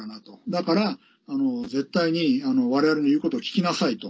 だから、絶対に我々の言うことを聞きなさいと。